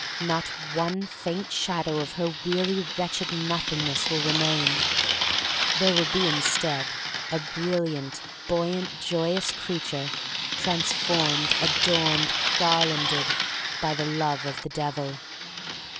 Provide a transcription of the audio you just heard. Not one faint shadow of her weary wretched Nothingness will remain. There will be instead a brilliant, buoyant, joyous creature — transformed, adorned, garlanded by the love of the Devil.